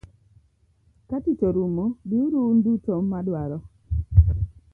Katich orumo, bi uru un duto madwaro.